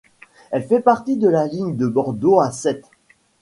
Elle fait partie de la ligne de Bordeaux à Sète.